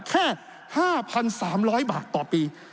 แค่๕๓๐๐บาทต่อปี